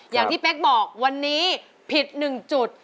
อย่างที่เป๊กบอกวันนี้ผิด๑จุด